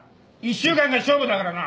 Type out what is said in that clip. １週間が勝負だからな。